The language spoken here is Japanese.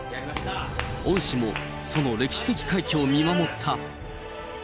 恩師も、その歴史的快挙を見守った。